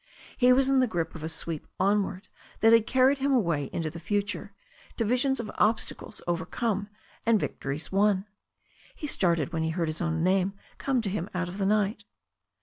He was in the grip of a sweep onward that had carried him away into the future, to visions of obstacles overcome and victories won. He started when he heard his own name come to him out of the night.